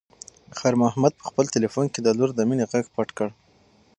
خیر محمد په خپل تلیفون کې د لور د مینې غږ پټ کړ.